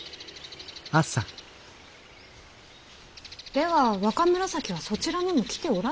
では若紫はそちらにも来ておらぬのか。